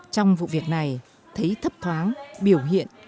trong vụ việc này thấy thấp thoáng biểu hiện